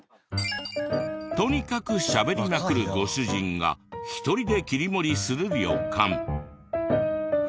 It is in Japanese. とにかくしゃべりまくるご主人が一人で切り盛りする旅館。